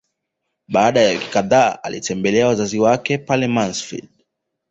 Baada ya wiki kadhaa alitembelea wazazi wake pale Mansfeld